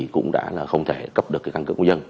cũng đã không thể cấp được căn cước công dân